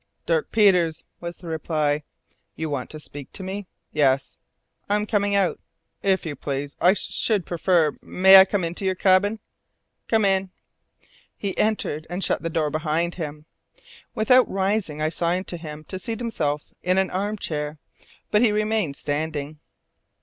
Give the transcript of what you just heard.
"Dirk Peters," was the reply. "You want to speak to me?" "Yes." "I am coming out." "If you please I should prefer may I come into your cabin?" "Come in." He entered, and shut the door behind him. Without rising I signed to him to seat himself in the arm chair, but he remained standing.